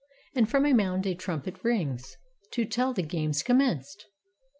And from a mound a trumpet rings, to tell The games commenced.